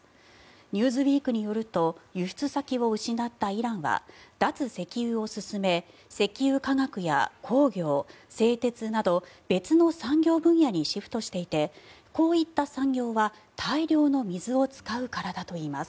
「ニューズウィーク」によると輸出先を失ったイランは脱石油を進め、石油化学や鉱業、製鉄など別の産業分野にシフトしていてこういった産業は大量の水を使うからだといいます。